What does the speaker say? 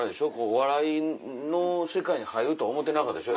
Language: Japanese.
お笑いの世界に入るとは思ってなかったでしょ。